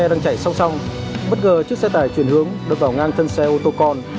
hai xe đang chạy song song bất ngờ chiếc xe tải chuyển hướng đâm vào ngang thân xe ô tô con